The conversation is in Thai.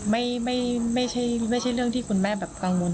ไม่ใช่เรื่องที่คุณแม่กังวล